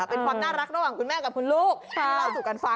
เป็นความน่ารักระหว่างคุณแม่กับคุณลูก